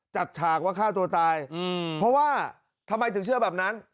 ฉากว่าฆ่าตัวตายเพราะว่าทำไมถึงเชื่อแบบนั้น